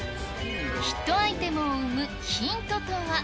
ヒットアイテムを生むヒントとは。